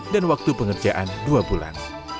dan waktu pengerjaan dua bulan